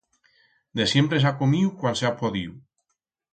De siempre s'ha comiu cuan s'ha podiu.